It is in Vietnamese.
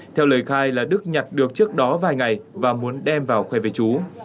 theo lời khai là đức nhặt được trước đó vài ngày và muốn đem vào khoe về trú